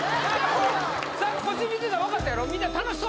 さっきこっち見てて分かったやろ？